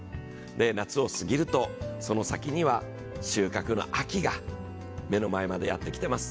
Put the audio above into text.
夏を過ぎると、その先には収穫の秋が目の前までやってきています。